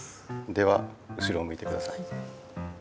では後ろをむいてください。